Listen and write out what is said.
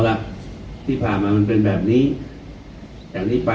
พวกปืนเอาล่ะที่ผ่ามามันเป็นแบบนี้จากนี้ไป